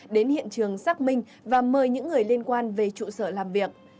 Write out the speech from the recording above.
đến hiện trường xác minh và mời những người liên quan về trụ sở làm việc